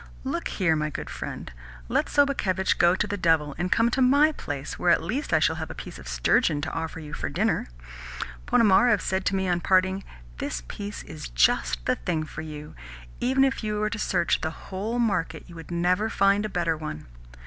Look here, my good friend. Let Sobakevitch go to the devil, and come to MY place, where at least I shall have a piece of sturgeon to offer you for dinner. Ponomarev said to me on parting: 'This piece is just the thing for you. Even if you were to search the whole market, you would never find a better one.